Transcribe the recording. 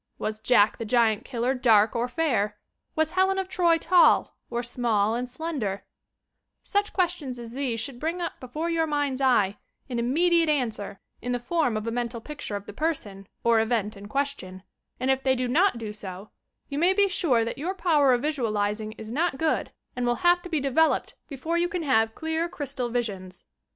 "Was Jack, the Giant killer, dark or fairl" "Was Helen of Troy tall, or small and slenderT' Such questions as these should bring up before your mind's eye an immediate answer in the form of a mental pic ture of the person or event in question, and if they do not do so, you may be sure that your power of visualizing is not good and will have to be developed before you can have clear crystal visions.